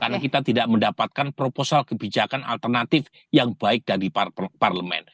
karena kita tidak mendapatkan proposal kebijakan alternatif yang baik dari parlement